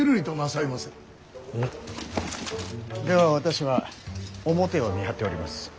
では私は表を見張っております。